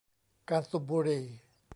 การสูบบุหรี่